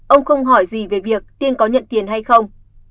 ông không hỏi gì về việc tiên có nhận tiền hay không